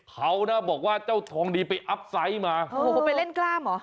เขานะบอกว่าเจ้าทองดีไปอัพไซต์มาโอ้โหไปเล่นกล้ามเหรอ